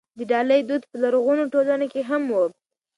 د ډالۍ دود په لرغونو ټولنو کې هم و.